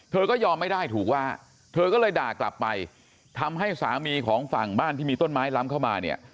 ก็ยอมไม่ได้ถูกว่าเธอก็เลยด่ากลับไปทำให้สามีของฝั่งบ้านที่มีต้นไม้ล้ำเข้ามาเนี่ย